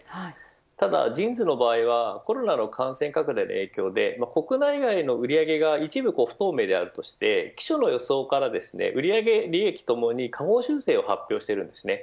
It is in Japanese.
ただＪＩＮＳの場合はコロナの感染拡大の影響で国内外の売り上げが一部不透明であるとして期初の予想から売上、利益ともに下方修正を発表しています。